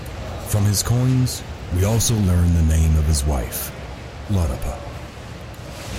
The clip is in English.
From his coins we also learn the name of his wife, Iotapa.